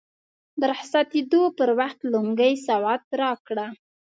د رخصتېدو پر وخت لونګۍ سوغات راکړه.